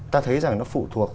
ta thấy rằng nó phụ thuộc